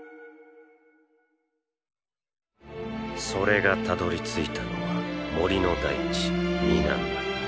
それがたどりついたのは森の大地ニナンナ。